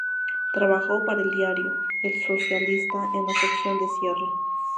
Trabajó para el diario "El Socialista", en la sección de cierre.